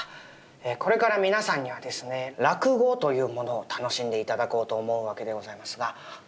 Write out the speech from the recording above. これから皆さんにはですね落語というものを楽しんで頂こうと思う訳でございますが。